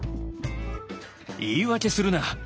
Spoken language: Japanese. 「言い訳するな。